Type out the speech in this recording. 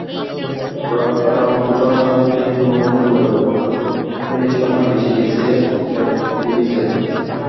রণকৌশল সাজানোর চেয়ে সম্ভবত যোগাযোগ রক্ষা করতেই সময় বেশি গেছে পেতকোভিচের।